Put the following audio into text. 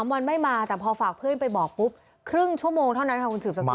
วันไม่มาแต่พอฝากเพื่อนไปบอกปุ๊บครึ่งชั่วโมงเท่านั้นค่ะคุณสืบสกุ